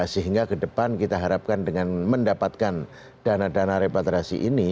sehingga ke depan kita harapkan dengan mendapatkan dana dana repatriasi ini